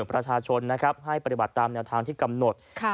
ประชาชนนะครับให้ปฏิบัติตามแนวทางที่กำหนด